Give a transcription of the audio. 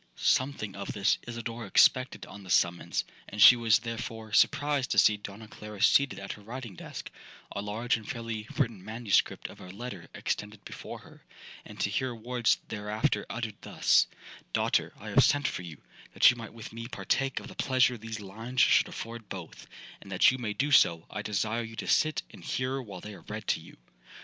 'Something of this Isidora expected on the summons, and she was, therefore, surprised to see Donna Clara seated at her writing desk,—a large and fairly written manuscript of a letter extended before her,—and to hear words thereafter uttered thus: 'Daughter, I have sent for you, that you might with me partake of the pleasure these lines should afford both; and that you may do so, I desire you to sit and hear while they are read to you.'